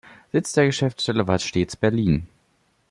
Sitz der Geschäftsstelle war stets Berlin.